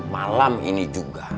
malam ini juga